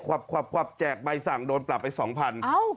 ควับควับควับแจกใบสั่งโดนปรับไปสองพันเอ้า